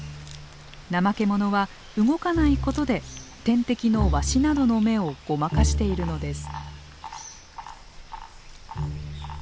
ナマケモノは動かないことで天敵のワシなどの目をごまかしているのです。